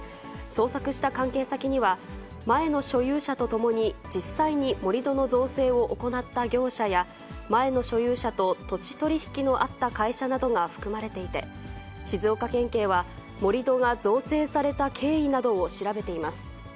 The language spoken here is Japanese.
捜索した関係先には、前の所有者と共に、実際に盛り土の造成を行った業者や、前の所有者と土地取り引きのあった会社などが含まれていて、静岡県警は、盛り土が造成された経緯などを調べています。